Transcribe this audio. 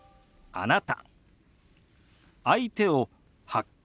「あなた」。